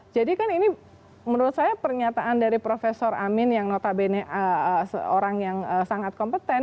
jadi kan ini menurut saya pernyataan dari prof amin yang notabene orang yang sangat kompeten